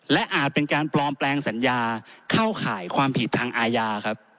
และอาจเป็นการปลอมแปลงสัญญาเข้าข่ายความผิดทางอาญาครับ